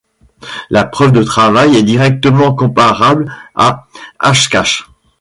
La preuve de travail est directement comparable à Hashcash.